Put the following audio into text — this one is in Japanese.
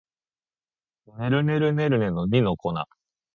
ねるねるねるねの二の粉